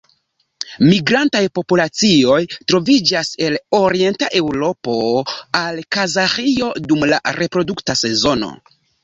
Migrantaj populacioj troviĝas el Orienta Eŭropo al Kazaĥio dum la reprodukta sezono.